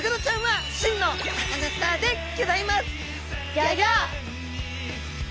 ギョギョッ！